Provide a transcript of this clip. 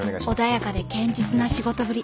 穏やかで堅実な仕事ぶり。